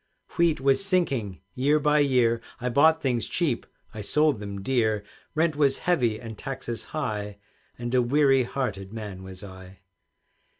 Wheat was sinking year by year, I bought things cheap, I sold them dear; Rent was heavy and taxes high, And a weary hearted man was I.